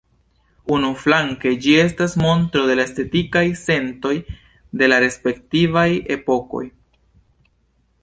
Unuflanke ĝi estas montro de la estetikaj sentoj de la respektivaj epokoj.